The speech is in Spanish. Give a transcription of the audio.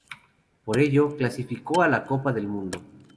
Por ello, clasificó a la Copa del Mundo.